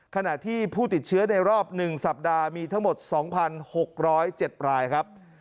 ขณะที่ผู้ติดเชื้อในรอบ๑สัปดาห์มีทั้งหมด๒๖๐๗รายครับ